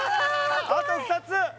・あと２つ！